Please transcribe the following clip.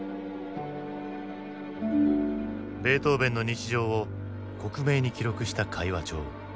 ベートーヴェンの日常を克明に記録した会話帳。